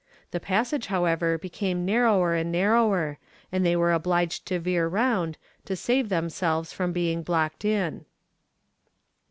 The passage, however, became narrower and narrower, and they were obliged to veer round, to save themselves from being blocked in.